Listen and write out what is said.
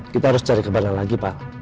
kita harus cari kemana lagi pak